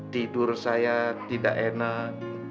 tidur saya tidak enak